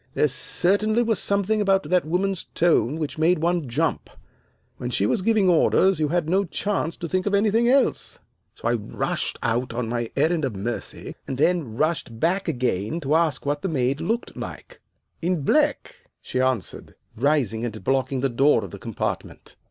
There certainly was something about that woman's tone which made one jump. When she was giving orders you had no chance to think of anything else. So I rushed out on my errand of mercy, and then rushed back again to ask what the maid looked like. [Illustration: 09 This gave the Princess Zichy the chance] "'In black,' she answered, rising and blocking the door of the compartment.